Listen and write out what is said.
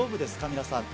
皆さん。